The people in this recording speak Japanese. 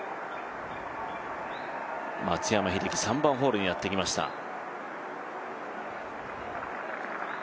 松山英樹、３番ホールにやってきました。